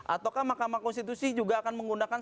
ataukah mahkamah konstitusi juga akan menggunakan